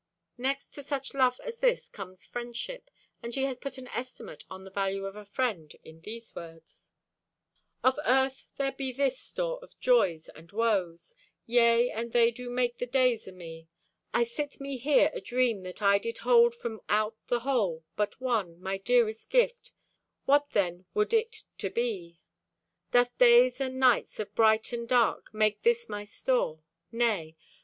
Next to such love as this comes friendship, and she has put an estimate of the value of a friend in these words: Of Earth there be this store of joys and woes. Yea, and they do make the days o' me. I sit me here adream that did I hold From out the whole, but one, my dearest gift, What then would it to be? Doth days and nights Of bright and dark make this my store? Nay.